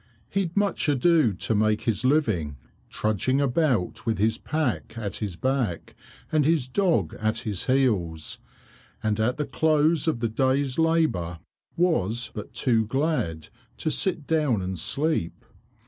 He'd much ado to make his living, trudging about with his pack at his back and his dog at his heels, and at the close of the day's labour was but too glad to sit down and sleep.